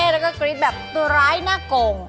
แล้วก็กรี๊ดแบบตัวร้ายหน้ากง